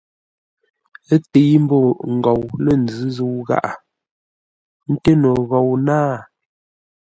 Ə́ təi ḿbó ngou lə̂ nzʉ́ zə̂u gháʼa, ńté no ghou náa.